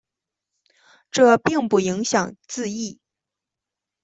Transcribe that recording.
这并不影响字义。